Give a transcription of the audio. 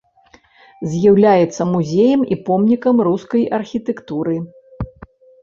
З'яўляецца музеем і помнікам рускай архітэктуры.